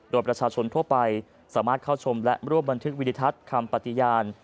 โดยประชาชนทั่วไปสามารถเข้าชมและรวบบันทึกวินิทัศน์คำปฏิญาณ